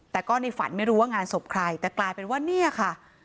แต่ก็ในฝันไม่รู้ว่างานศพใครแต่กลายเป็นว่าเนี่ยค่ะ